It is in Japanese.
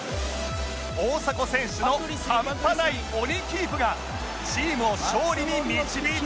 大迫選手の半端ない鬼キープがチームを勝利に導いているんです